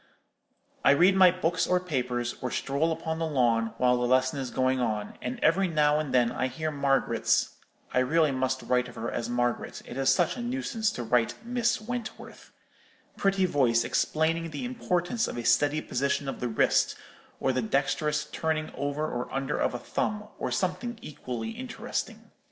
I read my books or papers, or stroll upon the lawn, while the lesson is going on, and every now and then I hear Margaret's—I really must write of her as Margaret; it is such a nuisance to write Miss Wentworth—pretty voice explaining the importance of a steady position of the wrist, or the dexterous turning over or under of a thumb, or something equally interesting.